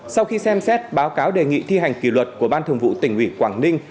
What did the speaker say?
sau khi xem xét báo cáo đề nghị thi hành kỷ luật của ban thường vụ tỉnh ủy quảng ninh